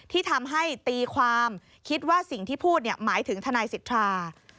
ที่ทำให้ตีความคิดว่าสิ่งที่พูดหมายถึงทนายสิทธา